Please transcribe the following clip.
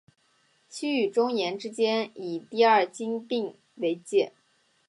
西与中延之间以第二京滨为界。